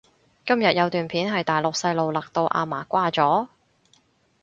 今日有段片係大陸細路勒到阿嫲瓜咗？